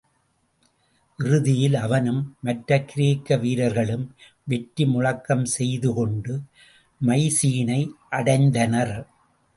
இறுதியில் அவனும், மற்ற கிரேக்க வீரர்களும் வெற்றி முழக்கம் செய்துகொண்டு, மைசீனை அடைந்தனர்.